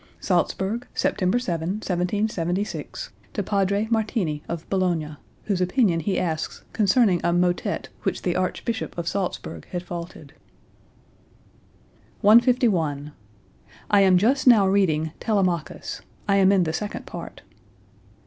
(Salzburg, September 7, 1776, to Padre Martini of Bologna, whose opinion he asks concerning a motet which the Archbishop of Salzburg had faulted.) 151. "I am just now reading 'Telemachus;' I am in the second part."